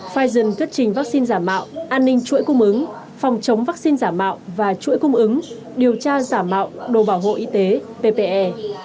fison xuất trình vaccine giả mạo an ninh chuỗi cung ứng phòng chống vaccine giả mạo và chuỗi cung ứng điều tra giả mạo đồ bảo hộ y tế ppe